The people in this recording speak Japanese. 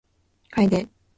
楓